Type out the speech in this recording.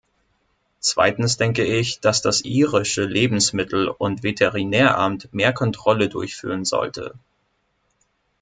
Zweitens denke ich, dass das irische Lebensmittelund Veterinäramt mehr Kontrolle durchführen sollte.